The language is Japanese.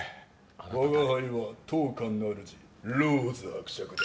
我が輩は当館の主ローズ伯爵だ。